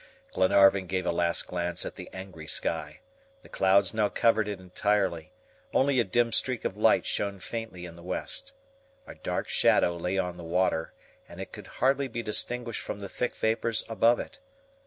Glenarvan gave a last glance at the angry sky. The clouds now covered it entirely; only a dim streak of light shone faintly in the west. A dark shadow lay on the water, and it could hardly be distinguished from the thick vapors above it.